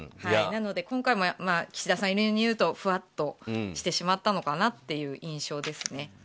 なので、今回も楠田さん風にいうとふわっとしてしまったのかなという印象です。